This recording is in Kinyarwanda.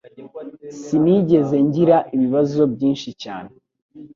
Sinigeze ngira ibibazo byinshi cyane